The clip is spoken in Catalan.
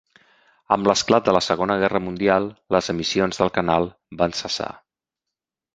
Amb l'esclat de la Segona Guerra Mundial les emissions del canal van cessar.